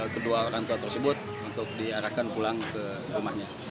kedua orang tua tersebut untuk diarahkan pulang ke rumahnya